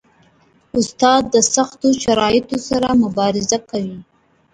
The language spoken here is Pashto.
استاد د سختو شرایطو سره مبارزه کوي.